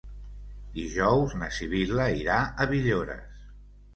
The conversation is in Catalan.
Dijous na Sibil·la irà a Villores.